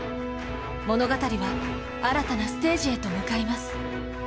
物語は新たなステージへと向かいます。